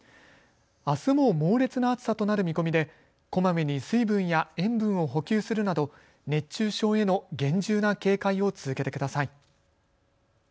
あすも猛烈な暑さとなる見込みでこまめに水分や塩分を補給するなど熱中症への厳重な警戒を続けてください。